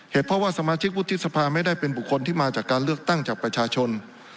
เพราะว่าสมาชิกวุฒิสภาไม่ได้เป็นบุคคลที่มาจากการเลือกตั้งจากประชาชน